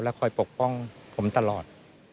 คอยปกป้องผมตลอด